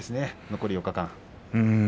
残り４日間。